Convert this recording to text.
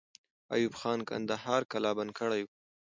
ایوب خان کندهار قلابند کړی وو.